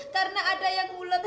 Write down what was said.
karena ada yang ngulet